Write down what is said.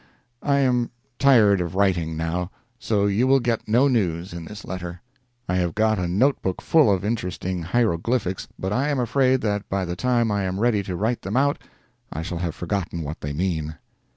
I am tired writing, now, so you will get no news in this letter. I have got a note book full of interesting hieroglyphics, but I am afraid that by the time I am ready to write them out, I shall have forgotten what they mean.